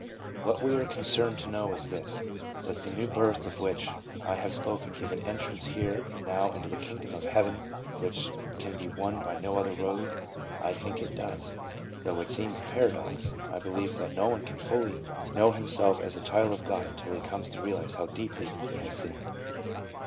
" What we are concerned to know is this : Does the new birth of which I have spoken give an entrance here and now into the kingdom of heaven which can be won by no other road ? I think it does. Though it seems a paradox, I believe that no one can fully know him self a child of God until he comes to realize how deeply he has sinned.